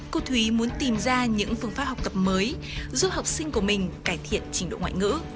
cô thúy muốn tìm ra những phương pháp học tập mới giúp học sinh của mình cải thiện trình độ ngoại ngữ